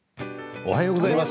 おはようございます。